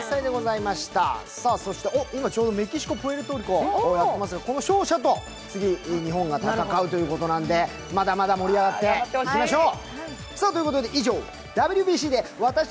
今、ちょうどメキシコ×プエルトリコをやっておりますが、この勝者と次、日本が戦うということなのでまだまだ盛り上がっていきましょう。